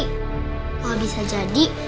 kalau bisa jadi